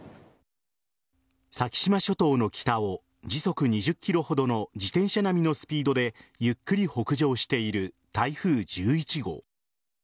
先島諸島の北を時速２０キロほどの自転車並みのスピードでゆっくり北上している台風１１号。